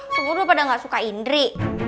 seluruh pada enggak suka indri